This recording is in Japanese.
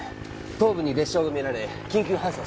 頭部に裂傷が見られ緊急搬送します。